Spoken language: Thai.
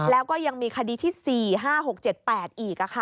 แล้วก็ยังมีคดีที่๔๕๖๗๘อีก